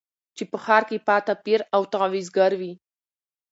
چي په ښار کي پاته پیر او تعویذګروي